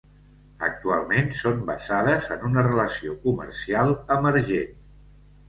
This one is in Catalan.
Actualment són basades en una relació comercial emergent.